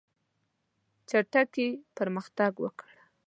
چټکي پرمختګ وکړ.